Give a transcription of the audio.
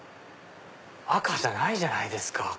赤じゃないじゃないですか。